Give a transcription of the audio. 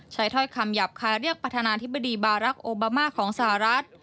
ถ้อยคำหยาบคายเรียกประธานาธิบดีบารักษ์โอบามาของสหรัฐ